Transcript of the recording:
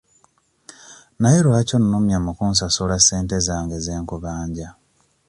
Naye lwaki onnumya mu kunsasula ssente zange ze nkubanja?